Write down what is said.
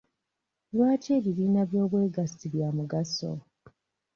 Lwaki ebibiina eby'obwegasi bya mugaso?